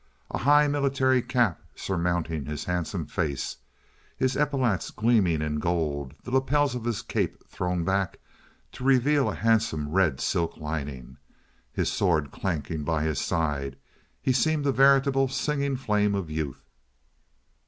A high military cap surmounting his handsome face, his epaulets gleaming in gold, the lapels of his cape thrown back to reveal a handsome red silken lining, his sword clanking by his side, he seemed a veritable singing flame of youth.